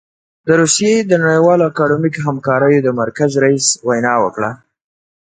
د روسيې د نړیوالو اکاډمیکو همکاریو د مرکز رییس وینا وکړه.